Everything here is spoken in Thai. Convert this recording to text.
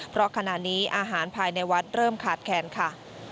เพราะขณะนี้อาหารภายในวัดเริ่มขาดแคลนค่ะ